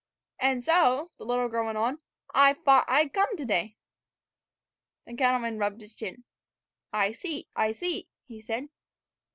"And so," the little girl went on, "I fought I'd come to day." The cattleman rubbed his chin. "I see; I see," he said.